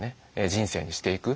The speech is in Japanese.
人生にしていく。